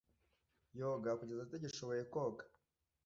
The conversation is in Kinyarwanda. Yoga kugeza atagishoboye koga.